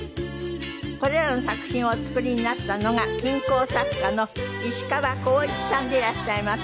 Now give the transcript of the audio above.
これらの作品をお作りになったのが金工作家の石川光一さんでいらっしゃいます。